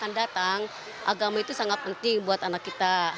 karena di masa akan datang agama itu sangat penting buat anak kita